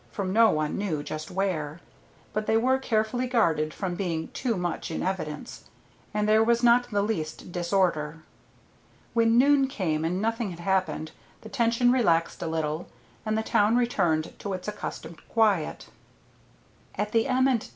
from no one knew just where, but they were carefully guarded from being too much in evidence, and there was not the least disorder. When noon came and nothing had happened the tension relaxed a little, and the town returned to its accustomed quiet. At the M. & T.